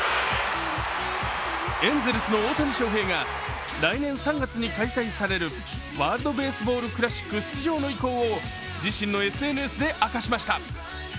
エンゼルスの大谷翔平が来年３月に開催されるワールドベースボールクラシック出場の意向を自身のＳＮＳで明かしました。